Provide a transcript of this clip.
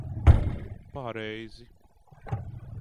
Pareizi.